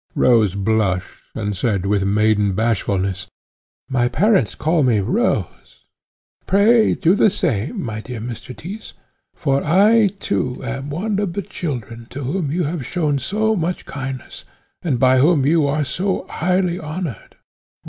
Rose blushed, and said with maiden bashfulness, "My parents call me Rose; pray, do the same, my dear Mr. Tyss, for I too am one of the children, to whom you have shown so much kindness, and by whom you are so highly honoured."